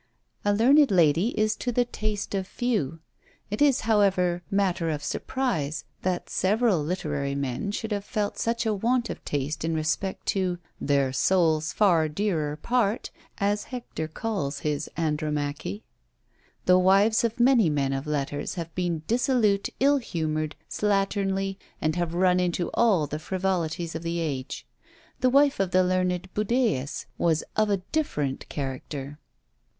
A learned lady is to the taste of few. It is however matter of surprise, that several literary men should have felt such a want of taste in respect to "their soul's far dearer part," as Hector calls his Andromache. The wives of many men of letters have been dissolute, ill humoured, slatternly, and have run into all the frivolities of the age. The wife of the learned Budæus was of a different character.